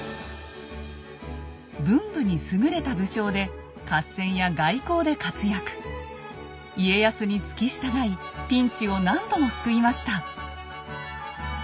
文武に優れた武将で家康に付き従いピンチを何度も救いました。